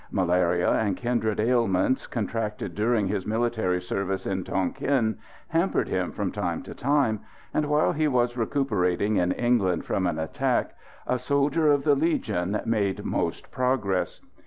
Malaria and kindred ailments, contracted during his military service in Tonquin, hampered him from time to time, and while he was recuperating in England from an attack, "A Soldier of the Legion" made most progress.